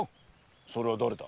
それは誰だ？